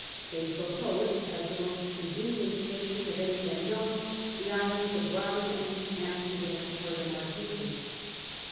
They proposed, as the most con venient station of any then known, the islands of Rotter dam, Amsterdam, or the Marquesas.